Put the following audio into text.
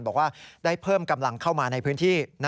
บอกว่าได้เพิ่มกำลังเข้ามาในพื้นที่